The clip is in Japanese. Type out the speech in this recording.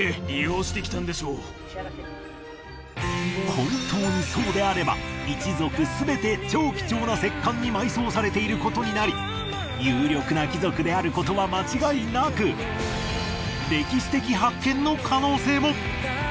本当にそうであれば一族すべて超貴重な石棺に埋葬されていることになり有力な貴族であることは間違いなく歴史的発見の可能性も。